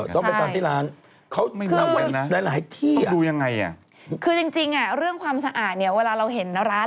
ใช่คือคือคือจริงเรื่องความสะอาดเนี่ยเวลาเราเห็นร้าน